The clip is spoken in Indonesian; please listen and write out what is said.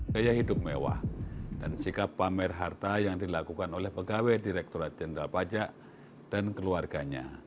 gaya hidup mewah dan sikap pamer harta yang dilakukan oleh pegawai direkturat jenderal pajak dan keluarganya